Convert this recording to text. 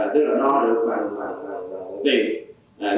tức là no được bằng tiền